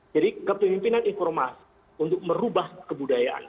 jadi kepemimpinan informasi untuk merubah kebudayaan